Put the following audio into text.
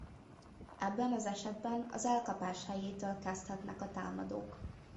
Ebben az esetben az elkapás helyétől kezdhetnek a támadók.